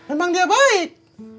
emang dia baik